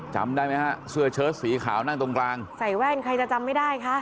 จำได้ไหมฮะเสื้อเชิดสีขาวนั่งตรงกลางใส่แว่นใครจะจำไม่ได้คะ